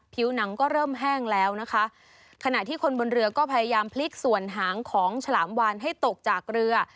ผิวหนังก็เริ่มแห้งแล้วนะคะขณะที่คนบนเรือก็พยายามพลิกส่วนหางของฉลามวานให้ตกจากเรือ